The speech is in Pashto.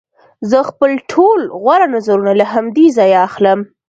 زه خپل ټول غوره نظرونه له همدې ځایه اخلم